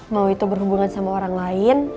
mau itu berhubungan sama orang lain